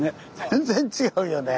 全然違うよね